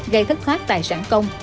gây thất thoát tài sản công